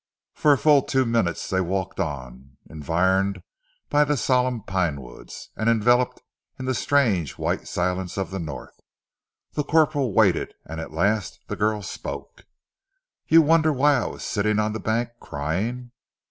For a full two minutes they walked on, environed by the solemn pinewoods, and enveloped in the strange, white silence of the North. The corporal waited, and at last the girl spoke. "You wonder why I was sitting on the bank, crying?"